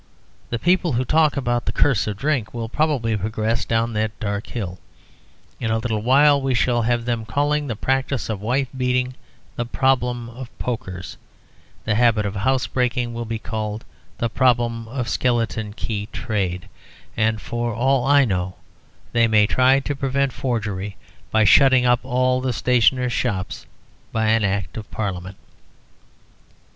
The people who talk about the curse of drink will probably progress down that dark hill. In a little while we shall have them calling the practice of wife beating the Problem of Pokers; the habit of housebreaking will be called the Problem of the Skeleton Key Trade; and for all I know they may try to prevent forgery by shutting up all the stationers' shops by Act of Parliament.